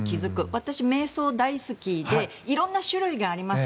私、めい想大好きで色んな種類があります。